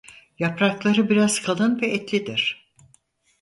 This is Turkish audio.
Yaprakları biraz kalın ve etlidir.